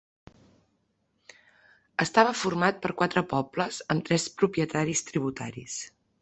Estava format per quatre pobles amb tres propietaris tributaris.